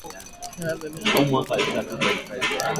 Kiazi lishe ukubwa wa viazi ni gram ishirni